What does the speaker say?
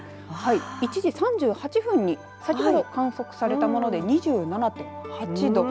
１時３８分に先ほど観測されたもので２７．８度。